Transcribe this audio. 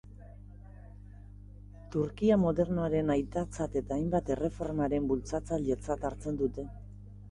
Turkia modernoaren aitatzat eta hainbat erreformaren bultzatzailetzat hartzen dute.